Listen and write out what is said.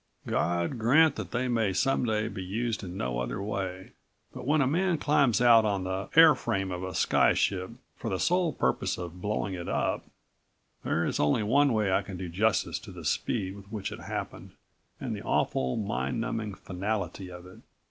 God grant that they may some day be used in no other way. But when a man climbs out on the airframe of a sky ship, for the sole purpose of blowing it up There is only one way I can do justice to the speed with which it happened and the awful, mind numbing finality of it.